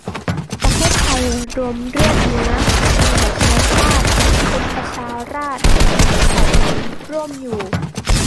ประเทศไทย รวมเลือดเนื้อ หลายเชื้อชาติ เป็นประชาราษฏร์ หลายเผ่าพันธุ์ร่วมอยู่